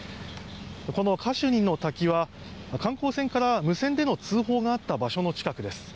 このカシュニの滝は観光船から無線での通報があった場所の近くです。